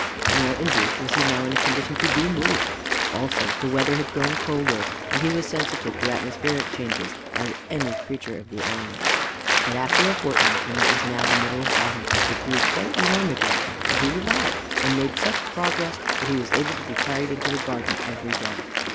Nor, indeed, was he now in a condition to be moved. Also the weather had grown colder, and he was sensitive to atmospheric changes as any creature of the elements. But after a fortnight, when it was now the middle of the autumn, it grew quite warm again, and he revived and made such progress that he was able to be carried into the garden every day.